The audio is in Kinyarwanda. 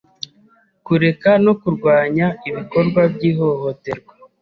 kureka no kurwanya ibikorwa by’ihohoterwa,